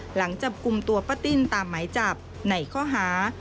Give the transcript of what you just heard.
หลังจับกลุ่มตัวป้าติ้นตามหมายจับในข้อหา